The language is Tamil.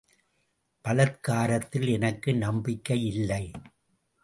பலாத்காரத்தில் எனக்கு நம்பிக்கையில்லை.